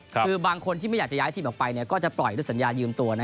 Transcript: คือบางคนที่ไม่อยากจะย้ายทีมออกไปก็จะปล่อยด้วยสัญญายืมตัว